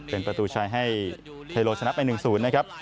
เป็นประตูชัยให้เทโลชนะไป๑๐นะครับ